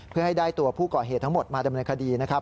เพื่อให้ได้ตัวผู้ก่อเหตุทั้งหมดมาดำเนินคดีนะครับ